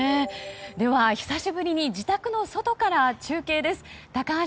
では、久しぶりに自宅の外から中継です。